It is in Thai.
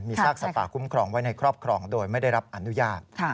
ซากสัตว์ป่าคุ้มครองไว้ในครอบครองโดยไม่ได้รับอนุญาต